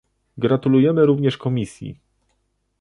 Gratulujemy również Komisji